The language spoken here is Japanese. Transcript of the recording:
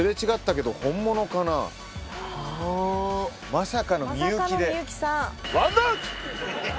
まさかの幸さん。